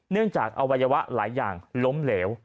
จากอวัยวะหลายอย่างล้มเหลว